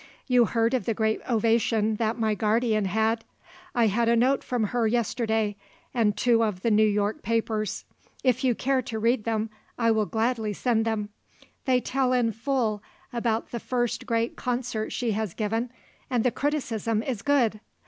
You heard of the great ovation that my guardian had. I had a note from her yesterday and two of the New York papers. If you care to read them I will gladly send them; they tell in full about the first great concert she has given and the criticism is good.